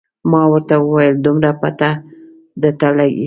ما ورته وویل دومره پته درته لګي.